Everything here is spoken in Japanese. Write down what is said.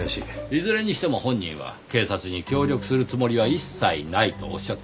いずれにしても本人は警察に協力するつもりは一切ないと仰ってましたねぇ。